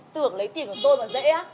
tưởng lấy tiền của tôi mà dễ á